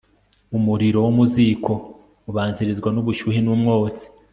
umuriro wo mu ziko ubanzirizwa n'ubushyuhe n'umwotsi